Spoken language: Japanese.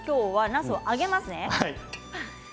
なすを揚げていきますね。